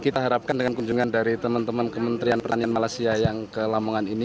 kita harapkan dengan kunjungan dari teman teman kementerian pertanian malaysia yang ke lamongan ini